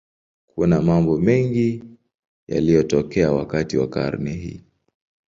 Kuna mambo mengi yaliyotokea wakati wa karne hii.